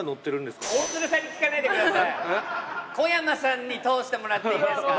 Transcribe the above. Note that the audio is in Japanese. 小山さんに通してもらっていいですか。